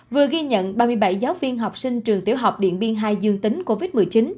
vừa ghi nhận ba mươi bảy giáo viên học sinh trường tiểu học điện biên hai dương tính covid một mươi chín